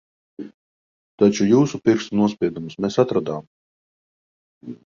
Taču jūsu pirkstu nospiedumus mēs atradām.